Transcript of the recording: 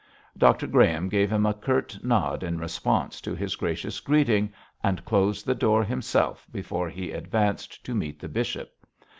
Dr Graham gave him a curt nod in response to his gracious greeting, and closed the door himself before he advanced to meet the bishop.